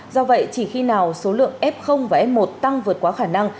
do vậy chỉ khi nào số lượng f và f một tăng vượt quá khả năng